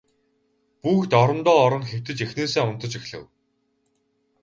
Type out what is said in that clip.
Бүгд орондоо орон хэвтэж эхнээсээ унтаж эхлэв.